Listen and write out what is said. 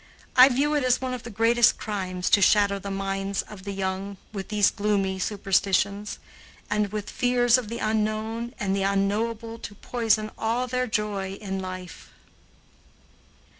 I view it as one of the greatest crimes to shadow the minds of the young with these gloomy superstitions; and with fears of the unknown and the unknowable to poison all their joy in life.